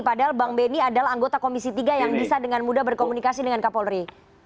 padahal bang benny adalah anggota komisi tiga yang bisa dengan mudah berkomunikasi dengan kapolri